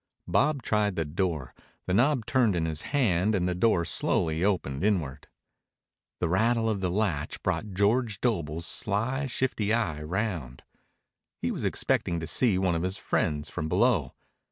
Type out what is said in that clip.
Bob tried the door. The knob turned in his hand and the door slowly opened inward. The rattle of the latch brought George Doble's sly, shifty eye round. He was expecting to see one of his friends from below.